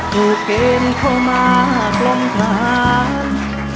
กูเก่งเข้ามากลงทาน